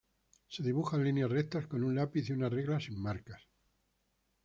Se dibujan líneas rectas con un lápiz y una regla sin marcas.